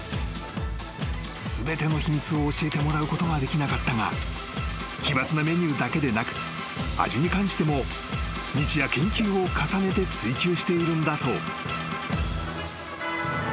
［全ての秘密を教えてもらうことはできなかったが奇抜なメニューだけでなく味に関しても日夜研究を重ねて追求しているんだそう］